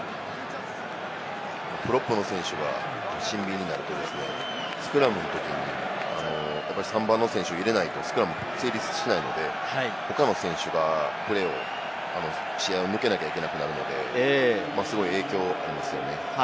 プロップの選手がシンビンになるとスクラムのときに３番の選手を入れないとスクラムが成立しないので、他の選手が試合を抜けなきゃいけなくなるので、その影響が出ますよね。